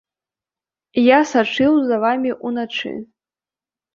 Я сачыў за вамі ўначы.